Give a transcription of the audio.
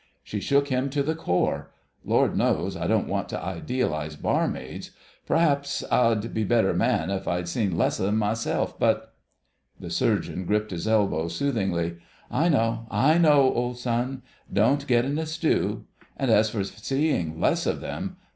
She shook him to the core. Lord knows, I don't want to idealise barmaids—p'raps I'd be a better man if I'd seen less of them myself—but——" The Surgeon gripped his elbow soothingly. "I know—I know, old son. Don't get in a stew! And as for seeing less of them